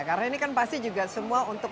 karena ini kan pasti juga semua untuk